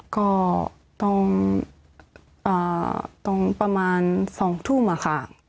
ก็ต้องประมาณสองทุ่มทำไมไหมค่ะ